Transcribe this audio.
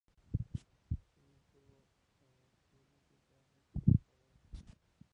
Shue estuvo en activo siete años como jugador.